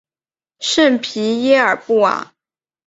圣皮耶尔布瓦。